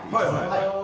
はい。